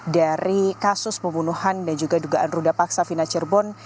dari kasus pembunuhan dan juga dugaan ruda paksa fina cirebon